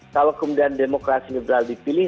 kalau kemudian demokrasi liberal dipilih